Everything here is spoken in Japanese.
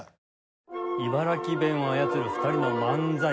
茨城弁を操る２人の漫才。